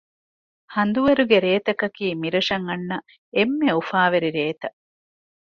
ހަނދުވަރުގެ ރޭތަކަކީ މިރަށަށް އަންނަ އެންމެ އުފާވެރި ރޭތައް